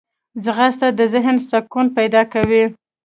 ځغاسته د ذهن سکون پیدا کوي